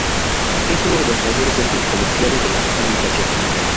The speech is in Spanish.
Es uno de los mayores centros comerciales de la República Checa.